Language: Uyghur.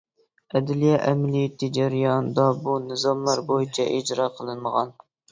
ئەدلىيە ئەمەلىيىتى جەريانىدا بۇ نىزاملار بويىچە ئىجرا قىلىنمىغان.